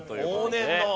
往年の。